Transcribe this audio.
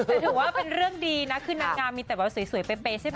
แต่ถือว่าเป็นเรื่องดีนะคือนางงามมีแต่แบบสวยเป๊ใช่ไหม